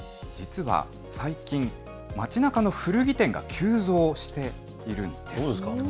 実は最近、街なかの古着店が急増しているんです。